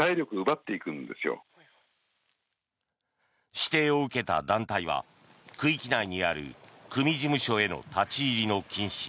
指定を受けた団体は区域内にある組事務所への立ち入りの禁止